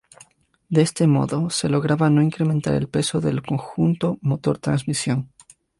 De este modo se lograba no incrementar el peso del conjunto motor-transmisión.